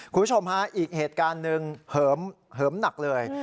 คุณผู้ชมฮะอีกเหตุการณ์หนึ่งเหิมหนักเลย